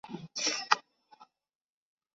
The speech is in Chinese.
我女友走路上限是两小时